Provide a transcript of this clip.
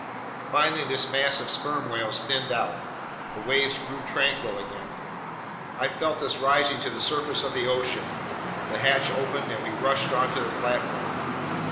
Finally this mass of sperm whales thinned out. The waves grew tranquil again. I felt us rising to the surface of the ocean. The hatch opened and we rushed onto the platform.